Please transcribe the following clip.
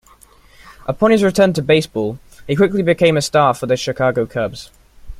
Upon his return to baseball he quickly became a star for the Chicago Cubs.